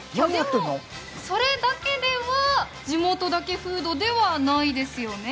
それだけでは地元だけフードではないですよね。